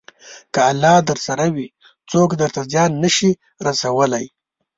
که الله درسره وي، څوک درته زیان نه شي رسولی.